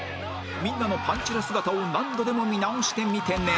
みんなのパンチラ姿を何度でも見直してみてね